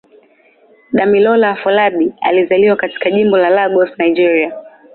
Damilola Afolabi alizaliwa katika Jimbo la Lagos, Nigeria.